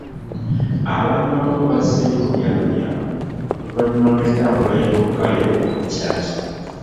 Abantu abamu bazzeeyo mu byalo byabwe oluvannyuma lw'entambula y'olukale okuddamu.